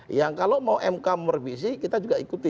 yang kalau mau mk merevisi kita juga ikuti